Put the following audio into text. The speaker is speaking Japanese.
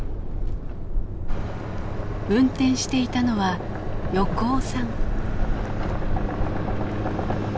運転していたのは横尾さん。